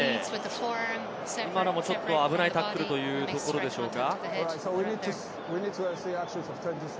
今のも、ちょっと危ないタックルというところでしょうか。